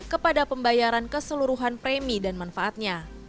kepada pembayaran keseluruhan premi dan manfaatnya